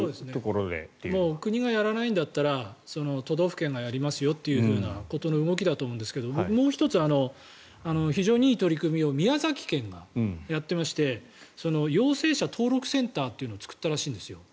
国がやらないんだったら都道府県がやりますよということの動きだと思うんですけど僕もう１つ非常にいい取り組みを宮崎県がやってまして陽性者登録センターというのを作ったらしいんですよ。